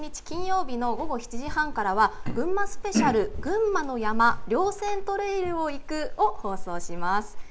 金曜日の午後７時半からはぐんまスペシャル「ぐんまの山稜線トレイルを行く」を放送します。